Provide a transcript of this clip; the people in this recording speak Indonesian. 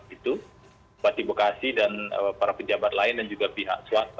bupati bekasi dan para pejabat lain dan juga pihak swasta